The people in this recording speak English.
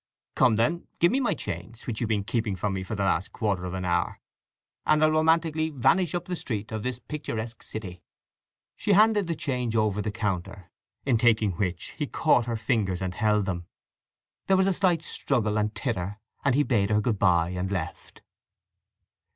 "Come then, give me my change, which you've been keeping from me for the last quarter of an hour; and I'll romantically vanish up the street of this picturesque city." She handed the change over the counter, in taking which he caught her fingers and held them. There was a slight struggle and titter, and he bade her good bye and left.